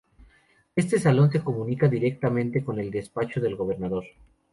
Este salón se comunica directamente con el despacho del Gobernador.